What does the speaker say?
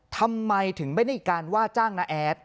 ทำไมถึงไม่ได้มีการว่าจ้างน้าแอด